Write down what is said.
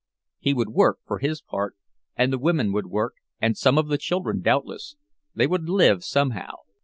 He would work, for his part, and the women would work, and some of the children, doubtless—they would live somehow.